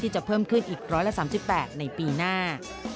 จะเพิ่มขึ้นอีก๑๓๘ในปีหน้า